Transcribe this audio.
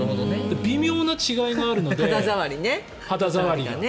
微妙な違いがあるので肌触りの。